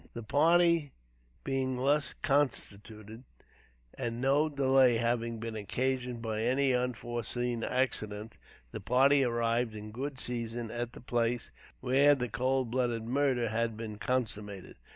The party being thus constituted, and no delay having been occasioned by any unforeseen accident, the party arrived in good season at the place where the cold blooded murder had been consummated.